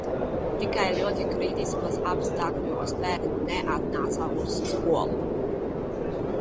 Tikai ļoti kritiskos apstākļos bērni neatnāca uz skolu.